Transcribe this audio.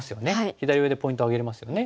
左上でポイント挙げれますよね。